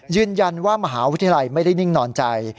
ยืนยันว่ามหาวิทยาลัยไม่ได้นิ่งนอนใจ